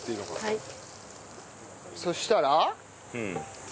はい。